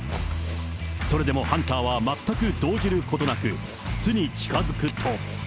それでもハンターは全く動じることなく、巣に近づくと。